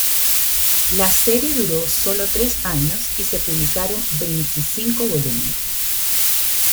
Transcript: La serie duró solo tres años y se publicaron veinticinco volúmenes.